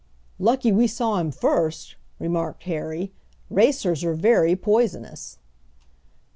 "Lucky we saw him first!" remarked Harry, "Racers are very poisonous!"